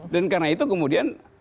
dan karena itu kemudian